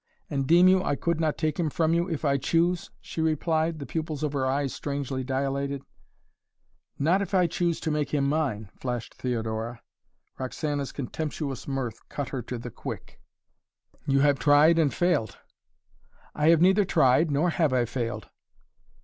"And deem you I could not take him from you, if I choose?" she replied, the pupils of her eyes strangely dilated. "Not if I choose to make him mine!" flashed Theodora. Roxana's contemptuous mirth cut her to the quick. "You have tried and failed!" "I have neither tried nor have I failed."